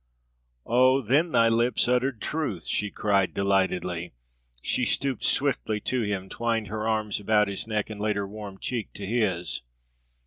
"Oh, then thy lips uttered truth!" she cried delightedly. She stooped swiftly to him, twined her arms about his neck, and laid her warm cheek to his.